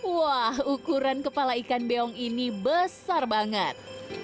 wah ukuran kepala ikan beong ini besar banget